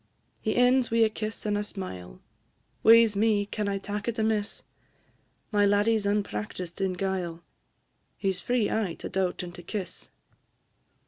He ends wi' a kiss and a smile Wae 's me! can I tak' it amiss? My laddie 's unpractised in guile, He 's free aye to daut and to kiss!